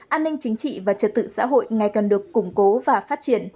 an ninh chính trị và trật tự xã hội ngày càng được củng cố và phát triển